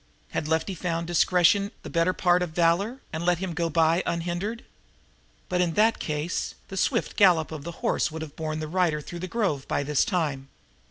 Had Lefty found discretion the better part of valor and let him go by unhindered? But, in that case, the swift gallop of the horse would have borne the rider through the grove by this time.